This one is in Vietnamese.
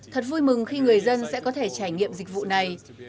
thật vui mừng khi người dân sẽ có thể trải nghiệm dịch vụ này